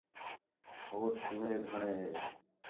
ہوچ چُوہے گھݨیں ہِے